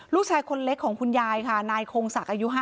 ลูกชายคนเล็กของคุณยายค่ะนายคงศักดิ์อายุ๕๐